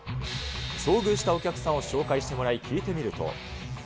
遭遇したお客さんを紹介してもらい、聞いてみると。